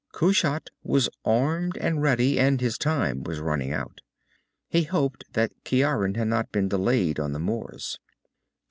Kushat was armed and ready and his time was running out. He hoped that Ciaran had not been delayed on the moors.